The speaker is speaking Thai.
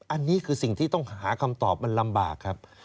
อันนี้คือสิ่งที่ต้องหาคำตอบมันลำบากครับ